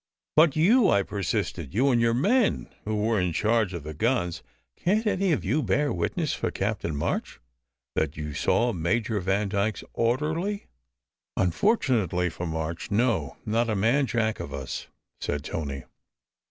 "But you," I persisted, "you and your men who were in charge of the guns; can t any of you bear witness for Captain March that you saw Major Vandyke s orderly?" "Unfortunately for March, no, not a man Jack of us," said Tony.